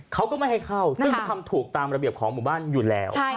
เขาก็ไม่ให้เข้าซึ่งทำถูกตามระเบียบของหมู่บ้านอยู่แล้ว